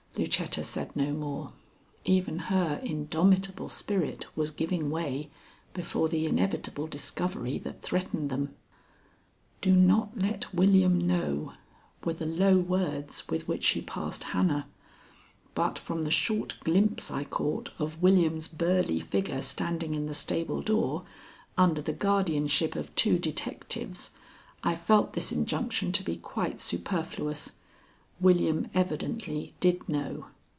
Lucetta said no more. Even her indomitable spirit was giving way before the inevitable discovery that threatened them. "Do not let William know," were the low words with which she passed Hannah; but from the short glimpse I caught of William's burly figure standing in the stable door, under the guardianship of two detectives, I felt this injunction to be quite superfluous. William evidently did know.